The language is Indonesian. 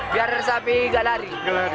biar sapi tidak lari